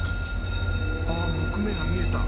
あっ木目が見えた。